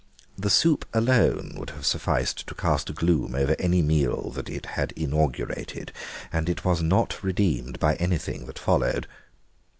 The soup alone would have sufficed to cast a gloom over any meal that it had inaugurated, and it was not redeemed by anything that followed.